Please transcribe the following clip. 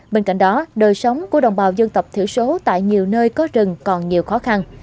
bên cạnh đó đời sống của đồng bào dân tộc thiểu số tại nhiều nơi có rừng còn nhiều khó khăn